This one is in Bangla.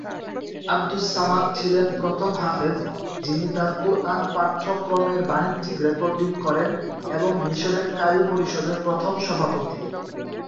আবদুস-সামাদ ছিলেন প্রথম হাফেজ, যিনি তার কুরআন পাঠ্যক্রমের বাণিজ্যিক রেকর্ডিং করেন, এবং মিশরের ক্বারী পরিষদের প্রথম সভাপতি।